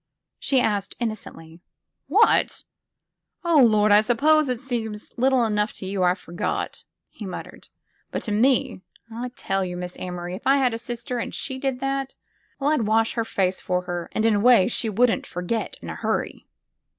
she asked innocently. What?' Oh, Lord, I suppose it seems little enough to you — ^I forgot, '' he muttered. But to me — I tell you. Miss Amory, if I had a sister and she did that — ^well, I'd wash her face for her, and in a way she wouldn't forget in a hurry!"